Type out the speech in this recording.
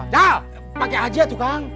jah pake aja tuh kan